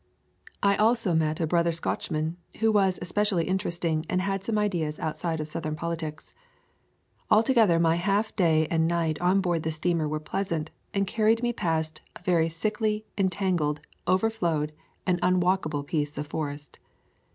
I also met a brother, Scotchman, who was especially interesting and had some ideas outside of Southern politics. Altogether my half day and night on board the steamer were pleasant, and carried me past a very sickly, entangled, overflowed, and un walkable piece of forest.